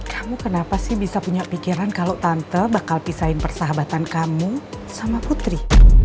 kamu kenapa sih bisa punya pikiran kalau tante bakal pisahin persahabatan kamu sama putri